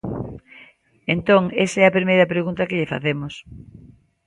Entón, esa é a primeira pregunta que lle facemos.